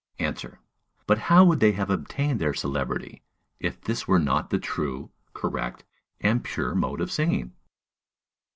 Answer. But how would they have obtained their celebrity, if this were not the true, correct, and pure mode of singing?